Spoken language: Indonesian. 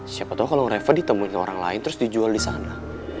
siapa tau kalung reva ditemuin ke orang lain terus dijual disana